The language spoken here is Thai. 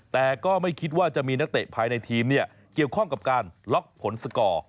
แต่ก็ไม่คิดว่าจะมีนักเตะภายในทีมเกี่ยวข้องกับการล็อกผลสกอร์